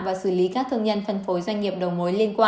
và xử lý các thương nhân phân phối doanh nghiệp đầu mối liên quan